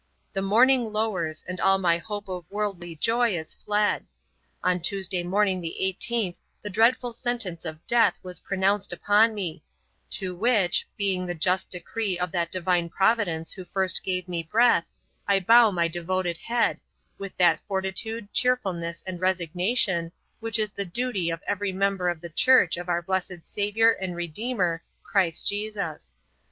The morning lowers, and all my hope of worldly joy is fled. On Tuesday morning the 18th the dreadful sentence of death was pronounced upon me, to which (being the just decree of that Divine Providence who first gave me breath) I bow my devoted head, with that fortitude, cheerfulness, and resignation, which is the duty of every member of the church of our blessed Saviour and Redeemer Christ Jesus.